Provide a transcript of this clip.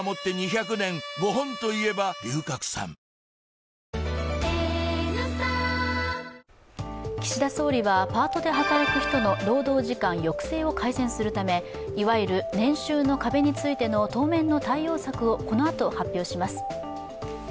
「のりしお」もね岸田総理はパートで働く人の労働時間抑制を改善するためいわゆる年収の壁についての当面の対応策をこのあと発表します。